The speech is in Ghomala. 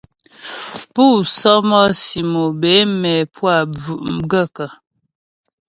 Pú sɔ́mɔ́sì mo bə é mɛ́ pú a bvʉ̀' m gaə̂kə́ ?